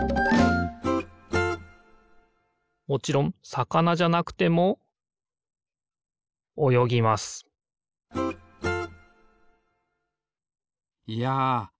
もちろんさかなじゃなくてもおよぎますいやみずって